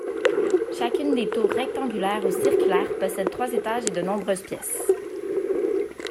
Chacune des tours rectangulaire ou circulaire possède trois étages et de nombreuses pièces.